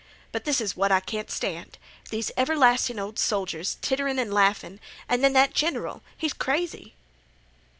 But this is what I can't stand—these everlastin' ol' soldiers, titterin' an' laughin', an then that general, he's crazy."